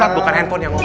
pak d pak d pak d